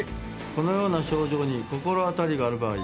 このような症状に心当たりがある場合。